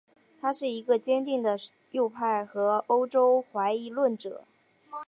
他是一个坚定的右派和欧洲怀疑论者。